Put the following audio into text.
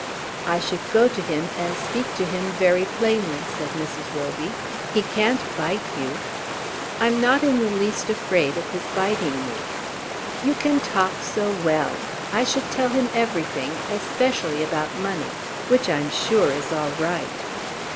"I should go to him and speak to him very plainly," said Mrs. Roby. "He can't bite you." "I'm not in the least afraid of his biting me." "You can talk so well! I should tell him everything, especially about money, which I'm sure is all right."